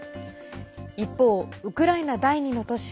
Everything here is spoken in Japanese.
一方、ウクライナ第２の都市